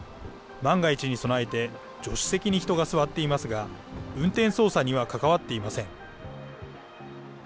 万が一に備えて、助手席に人が座っていますが、運転操作には関わっていません。